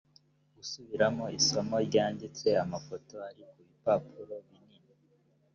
gusubiramo isomo ryanditse amafoto ari ku bipapuro binini